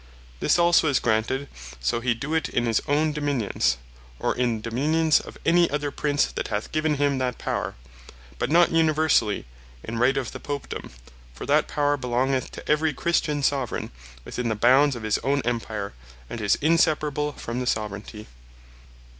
This also is granted, so he doe it in his own Dominions, or in the Dominions of any other Prince that hath given him that Power; but not universally, in Right of the Popedome: For that power belongeth to every Christian Soveraign, within the bounds of his owne Empire, and is inseparable from the Soveraignty.